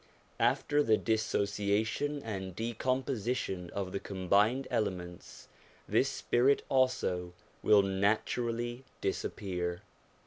After the dissociation and decomposition of the com bined elements, this spirit also will naturally disappear.